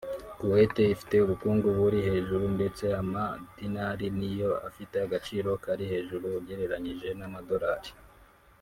Kuwait ifite ubukungu buri hejuru ndetse ama-dinar ni yo afite agaciro kari hejuru ugereranyije n’amadolari